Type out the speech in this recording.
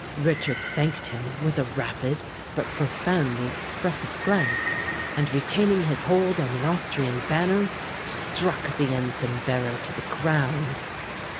Richard thanked him with a rapid but profoundly expressive glance, and, retaining his hold on the Austrian banner, struck the ensign bearer to the ground.